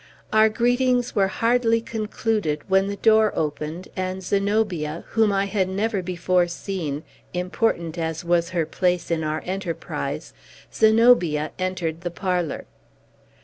Our greetings were hardly concluded when the door opened, and Zenobia whom I had never before seen, important as was her place in our enterprise Zenobia entered the parlor.